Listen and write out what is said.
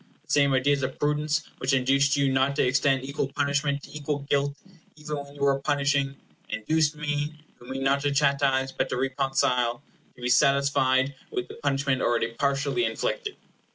The same ideas of prudence which induced you not to extend equal punishment to equal guilt, even when you were punishing, induced me, who mean not to chastise, but to reconcile, to be satisfied with the punishment already partially inflicted.